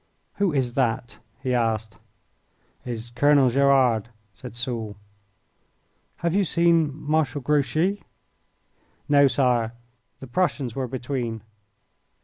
"Who is that?" he asked. "It is Colonel Gerard," said Soult. "Have you seen Marshal Grouchy?" "No, Sire. The Prussians were between."